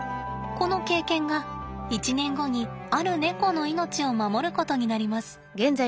この経験が１年後にあるネコの命を守ることになります。